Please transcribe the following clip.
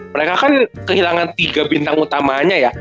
mereka kan kehilangan tiga bintang utamanya ya